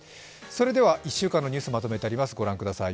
それでは１週間のニュースまとめてあります、御覧ください。